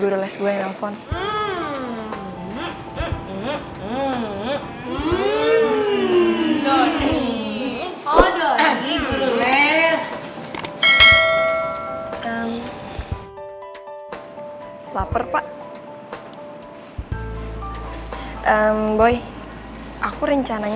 yuk tugas kelompok kita berubah sekarang